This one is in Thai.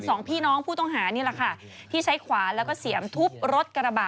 สองพี่น้องผู้ต้องหานี่แหละค่ะที่ใช้ขวานแล้วก็เสียมทุบรถกระบะ